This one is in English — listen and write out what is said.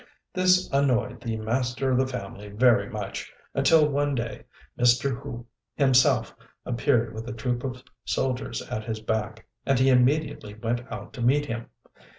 This annoyed the master of the family very much, until one day Mr. Hu himself appeared with a troop of soldiers at his back, and he immediately went out to meet him.